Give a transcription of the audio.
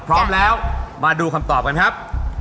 พร้อมแล้วมาดูคำตอบกันครับ